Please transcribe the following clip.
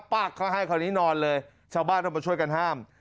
ปากเขาให้คราวนี้นอนเลยชาวบ้านต้องมาช่วยกันห้าม